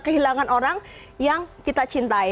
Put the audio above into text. kehilangan orang yang kita cintai